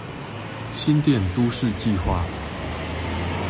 新店都市計畫